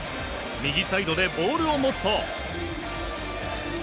右サイドでボールを持つと。